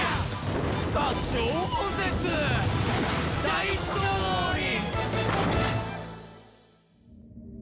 大勝利！